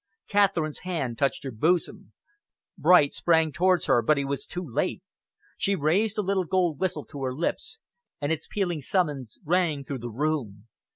Catherine's hand touched her bosom. Bright sprang towards her, but he was too late. She raised a little gold whistle to her lips, and its pealing summons rang through the room.